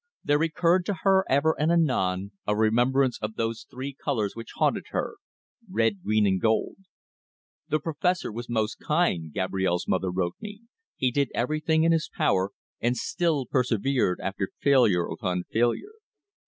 There recurred to her ever and anon a remembrance of those three colours which haunted her red, green and gold. The Professor was most kind, Gabrielle's mother wrote me. He did everything in his power, and still persevered after failure upon failure.